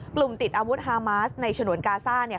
กลุ่มติดอาวุธฮามาสในฉนวนกาซ่าเนี่ย